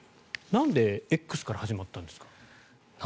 なんでＸから始まったんですか。